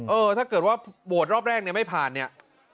เออถ้าเกิดว่าโหวตรอบแรกเนี่ยไม่ผ่านเนี่ย